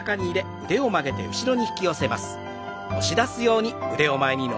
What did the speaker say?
腕を前に伸ばします。